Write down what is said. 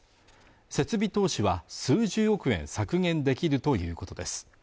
設備投資は数十億円削減できるということです